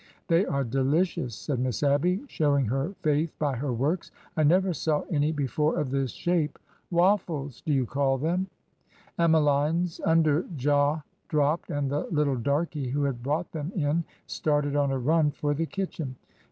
They are delicious," said Miss Abby, showing her a 34 ORDER NO. 11 faith by her works. I never saw any before of this shape. Woffles, do you call them ? Emmeline's under jaw dropped, and the little darky who had brought them in started on a run for the kitchen.